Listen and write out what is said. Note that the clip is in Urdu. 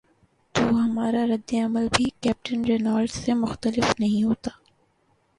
تو ہمارا رد عمل بھی کیپٹن رینالٹ سے مختلف نہیں ہوتا۔